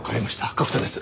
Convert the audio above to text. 角田です。